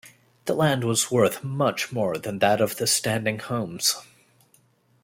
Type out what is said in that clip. The land was worth much more than that of the standing homes.